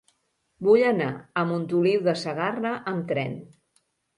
Vull anar a Montoliu de Segarra amb tren.